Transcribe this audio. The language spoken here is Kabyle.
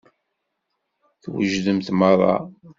Twejdem meṛṛa.